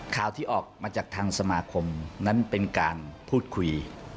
ข่าวที่ออกมาจากทางสมาคมนั้นเป็นการพูดคุย